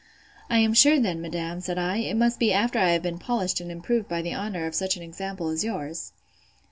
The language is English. I am sure then, madam, said I, it must be after I have been polished and improved by the honour of such an example as yours.